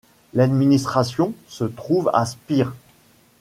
L'administration se trouve à Spire.